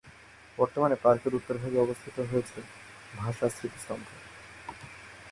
বর্তমানে পার্কের উত্তর ভাগে স্থাপিত হয়েছে ভাষা স্মৃতিস্তম্ভ।